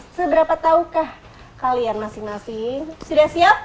seberapa tahukah kalian masing masing sudah siap